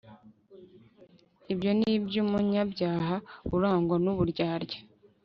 ibyo ni iby'umunyabyaha urangwa n'uburyarya